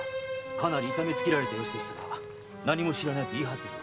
かなり痛めつけられた様子でしたが「何も知らない」と言い張っております。